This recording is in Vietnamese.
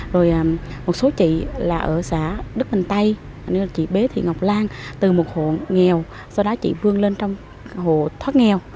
rồi một số chị là ở xã đức bình tây như là chị bế thị ngọc lan từ một hộ nghèo sau đó chị vươn lên trong hộ thoát nghèo